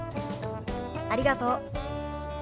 ありがとう。